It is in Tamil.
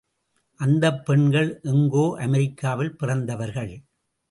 அந்தப் பெண்கள் எங்கோ அமெரிக்காவில் பிறந்தவர்கள்.